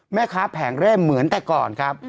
แผงเร่มเหมือนแต่ก่อนครับ